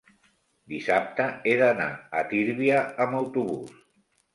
dissabte he d'anar a Tírvia amb autobús.